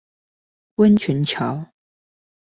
溫泉橋